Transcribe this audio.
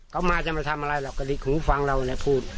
เขามาจะมาทำอะไรเราก็ลิดหูฟังเราเนี่ยพูด